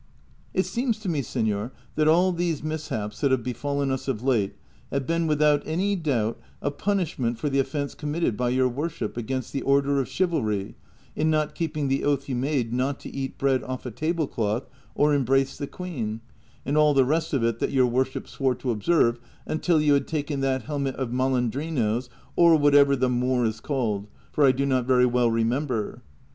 " It seems to me, seuor, that all these mishaps that have befallen us of late have been without any doubt a punishment for the offence committed by your worship against the order of chivalry in not keeping the oath you made not to eat bread off a table cloth or embrace the queen, and all the rest of it that your worship swore to observe until you had taken that helmet of Malandrino's, or whatever the Moor is called, for I do not very well remember."